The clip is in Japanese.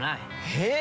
えっ！？